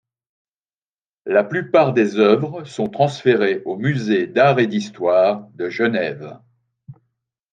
La plupart des œuvres sont transférées au Musée d'art et d'histoire de Genève.